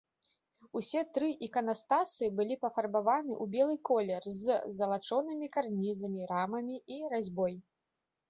Усе тры іканастасы былі пафарбаваны ў белы колер з залачонымі карнізамі, рамамі і разьбой.